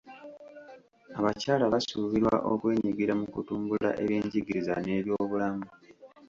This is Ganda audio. Abakyala basuubirwa okwenyigira mu kutumbula ebyenjigiriza n'ebyobulamu.